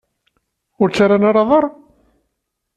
Ur ttarran ara aḍar?